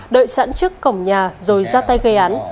đợi sẵn trước cổng nhà rồi ra tay gây án